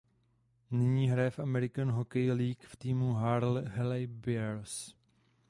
Nyní hraje v American Hockey League v týmu Hershey Bears.